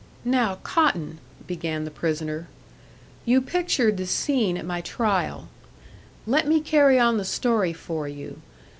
"Now, Cotton," began the prisoner, "you pictured the scene at my trial. Let me carry on the story for you.